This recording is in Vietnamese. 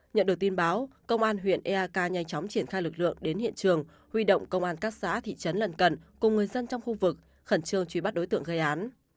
nhận được tin báo công an huyện eak nhanh chóng triển khai lực lượng đến hiện trường huy động công an các xã thị trấn lần cận cùng người dân trong khu vực khẩn trương truy bắt đối tượng gây án